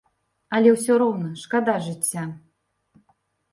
Але ўсё роўна шкада жыцця.